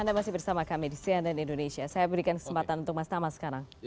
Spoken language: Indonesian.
anda masih bersama kami di cnn indonesia saya berikan kesempatan untuk mas tama sekarang